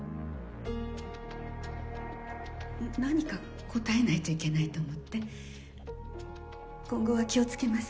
何か答えないといけないと思って今後は気をつけます。